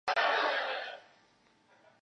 湖水主要依靠东部入湖的卡挖臧布补给。